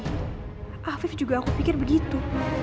afif juga aku pikir begitu